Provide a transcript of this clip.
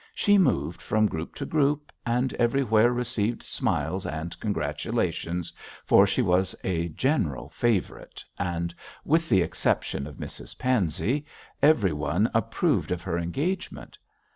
She moved from group to group, and everywhere received smiles and congratulations, for she was a general favourite, and, with the exception of Mrs Pansey, everyone approved of her engagement.